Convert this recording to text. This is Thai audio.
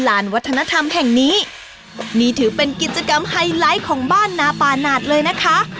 ลานวัฒนธรรมแห่งนี้นี่ถือเป็นกิจกรรมไฮไลท์ของบ้านนาปาหนาดเลยนะคะ